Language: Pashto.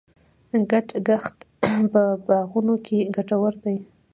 ګډ کښت په باغونو کې ګټور دی.